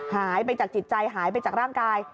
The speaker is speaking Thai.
หายไปจากจิตใจหายไปจากร่างกาย